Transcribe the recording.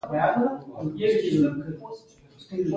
غریب د زړونو ټکور دی